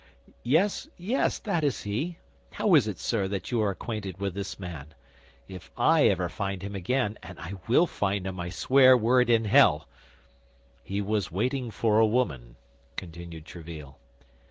"Yes, yes, that is he; how is it, sir, that you are acquainted with this man? If I ever find him again—and I will find him, I swear, were it in hell!" "He was waiting for a woman," continued Tréville.